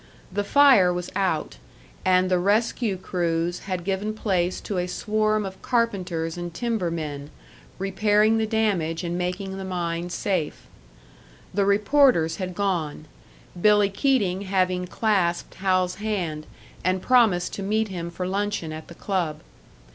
The fire was out, and the rescue crews had given place to a swarm of carpenters and timbermen, repairing the damage and making the mine safe. The reporters had gone; Billy Keating having clasped Hal's hand, and promised to meet him for luncheon at the club.